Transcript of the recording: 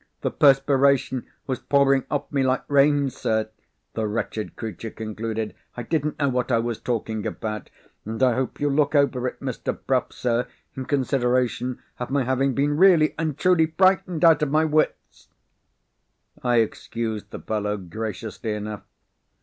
"The perspiration was pouring off me like rain, sir," the wretched creature concluded. "I didn't know what I was talking about. And I hope you'll look over it, Mr. Bruff, sir, in consideration of my having been really and truly frightened out of my wits." I excused the fellow graciously enough.